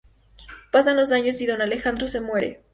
Pasan los años y don Alejandro se muere.